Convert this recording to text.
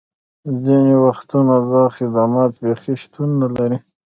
ځینې وختونه دا خدمات بیخي شتون نه لري